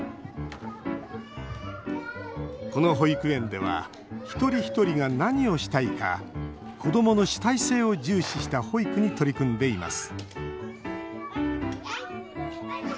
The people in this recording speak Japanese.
この保育園では一人一人が何をしたいか子どもの主体性を重視した保育に取り組んでいます。